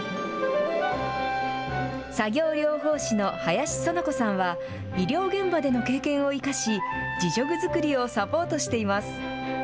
作業療法士の林園子さんは、医療現場での経験を生かし、自助具作りをサポートしています。